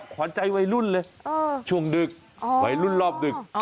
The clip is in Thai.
ขวานใจวัยรุ่นเลยช่วงดึกวัยรุ่นรอบดึก